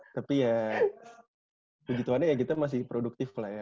tapi ya begituannya ya kita masih produktif lah ya